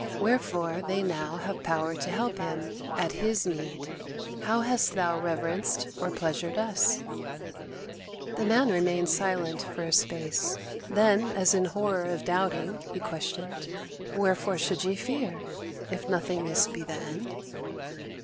Wherefore they now have power to help him at his need.... How hast thou reverenced or pleasured us?" The Man remained silent for a space. Then, as in horror of doubting, he questioned: "Wherefore should ye fear if nothingness be the end?"